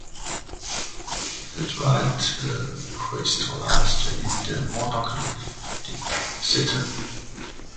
Lazulite crystallizes in the monoclinic system.